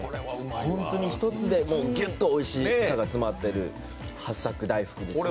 本当に１つでギュッとおいしさが詰まってるはっさく大福ですね。